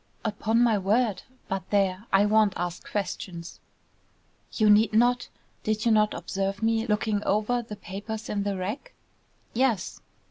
"Upon my word! But there, I won't ask questions." "You need not. Did you not observe me looking over the papers in the rack?" "Yes."